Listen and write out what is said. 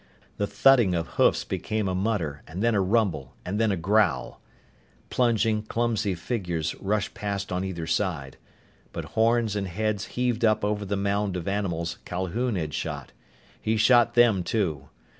The thudding of hoofs became a mutter and then a rumble and then a growl. Plunging, clumsy figures rushed past on either side. But horns and heads heaved up over the mound of animals Calhoun had shot. He shot them too.